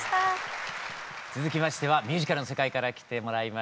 続きましてはミュージカルの世界から来てもらいました。